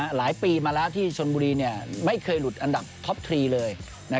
หลายปีมาแล้วที่ชนบุรีไม่เคยหลุดอันดับท็อปทรีเลย